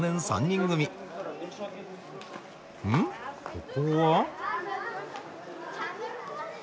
ここは？